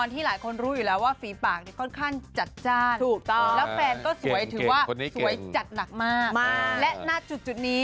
ที่สวยจัดมากมากต์